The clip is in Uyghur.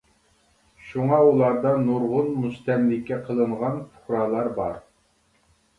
شۇڭا ئۇلاردا نۇرغۇن مۇستەملىكە قىلىنغان پۇقرالار بار.